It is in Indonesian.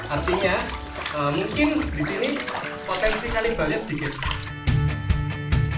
artinya mungkin di sini potensi kalimbalnya sedikit